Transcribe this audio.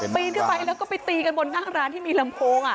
ปีนขึ้นไปแล้วก็ไปตีกันบนหน้าร้านที่มีลำโพง